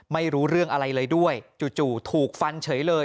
ไม่รู้เรื่องอะไรเลยด้วยจู่ถูกฟันเฉยเลย